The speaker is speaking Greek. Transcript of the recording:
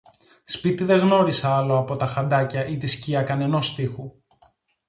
Σπίτι δε γνώρισα άλλο από τα χαντάκια ή τη σκιά κανενός τοίχου